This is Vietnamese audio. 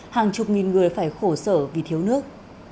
hàng chục nghìn người phải khổ sở vì thiếu nước